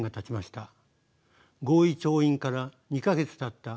合意調印から２か月たった